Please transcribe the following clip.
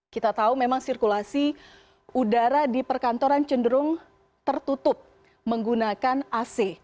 kita tahu memang sirkulasi udara di perkantoran cenderung tertutup menggunakan ac